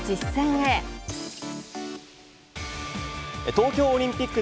東京オリンピック